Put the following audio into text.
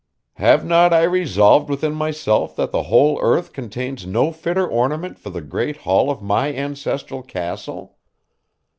Have not I resolved within myself that the whole earth contains no fitter ornament for the great hall of my ancestral castle?